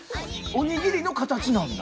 おにぎりのカタチなんだ。